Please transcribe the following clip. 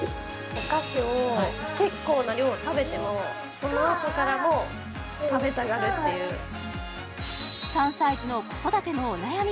お菓子を結構な量を食べてもそのあとからも食べたがるっていう３歳児の子育てのお悩み